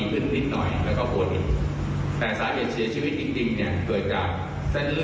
ตอนนี้เราตั้งหน้าทางการสอบตรวจข้อเท็จจริงแล้ว